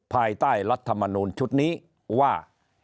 ภายใต้รัฐมนูลชุดนี้ว่า